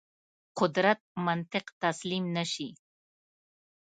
قدرت منطق تسلیم نه شي.